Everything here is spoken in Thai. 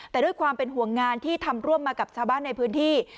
แต่ด้วยความเป็นห่วงงานที่ทำร่วมมากับชาวบ้านในพื้นที่